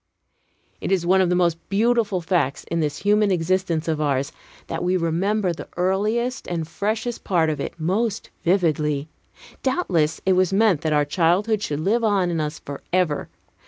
It is one of the most beautiful facts in this human existence of ours, that we remember the earliest and freshest part of it most vividly. Doubtless it was meant that our childhood should live on in us forever.